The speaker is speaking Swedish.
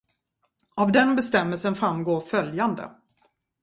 Av den bestämmelsen framgår följande.